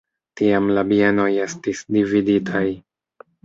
Tiam la bienoj estis dividitaj.